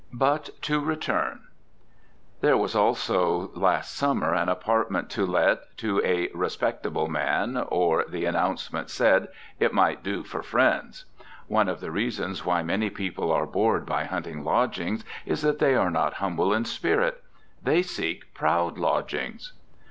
But to return: There was also last summer an apartment to let to a "respectable man" or, the announcement said, it "might do for friends." One of the reasons why many people are bored by hunting lodgings is that they are not humble in spirit. They seek proud lodgings.